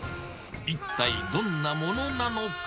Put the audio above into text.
一体どんなものなのか。